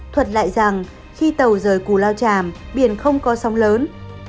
thuật lại rằng khi tàu rời cù lao tràm biển không có sóng lớn